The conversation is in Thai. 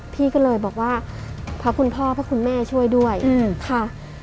พี่ก็เลยบอกว่าพระคุณพ่อพระคุณแม่ช่วยด้วยค่ะ